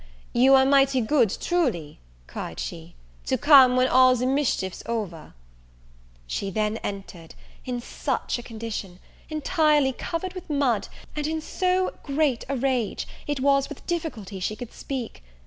"You are mighty good, truly," cried she, "to come when all the mischief's over." She then entered, in such a condition! entirely covered with mud, and in so great a rage, it was with difficulty she could speak.